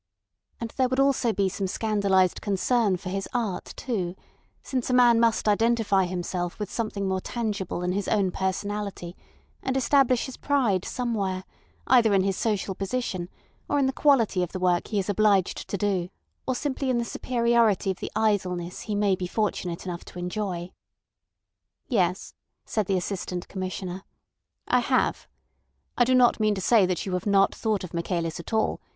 And there would be also some scandalised concern for his art too, since a man must identify himself with something more tangible than his own personality, and establish his pride somewhere, either in his social position, or in the quality of the work he is obliged to do, or simply in the superiority of the idleness he may be fortunate enough to enjoy. "Yes," said the Assistant Commissioner; "I have. I do not mean to say that you have not thought of Michaelis at all.